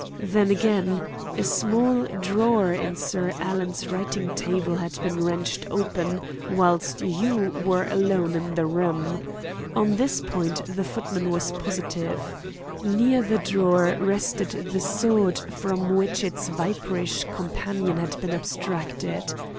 Then, again, a small drawer in Sir Alan's writing table had been wrenched open whilst you were alone in the room. On this point the footman was positive. Near the drawer rested the sword from which its viperish companion had been abstracted.